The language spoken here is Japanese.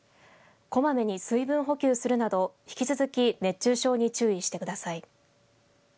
こまめに水分補給するなど引き続き熱中症に注意してください。